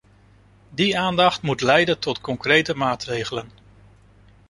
Die aandacht moet leiden tot concrete maatregelen.